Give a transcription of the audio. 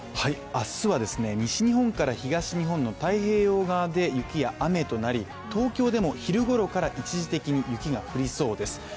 明日は西日本から東日本の太平洋側で雪や雨となり東京でも昼頃から一時的に雪が降りそうです。